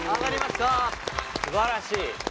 すばらしい。